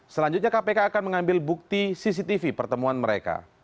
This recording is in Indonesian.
selanjutnya kpk akan mengambil bukti cctv pertemuan mereka